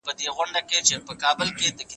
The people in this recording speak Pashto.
هغه وويل چي پاکوالی مهم دی!.